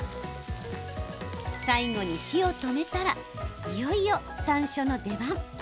最後に火を止めたらいよいよ、さんしょうの出番。